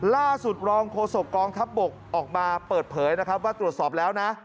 ล่าสุดรองโฆษกองทัพบกออกมาเปิดเผยนะครับว่าตรวจสอบแล้วนะ